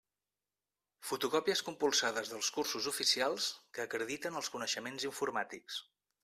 Fotocòpies compulsades dels cursos oficials que acrediten els coneixements informàtics.